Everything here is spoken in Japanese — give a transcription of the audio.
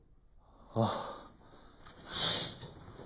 ああ。